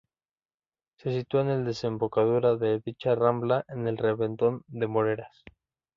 Se sitúa en la desembocadura de dicha rambla en el reventón de Moreras.